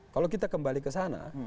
kalau kita kembali ke sana